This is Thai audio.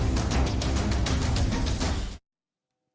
มค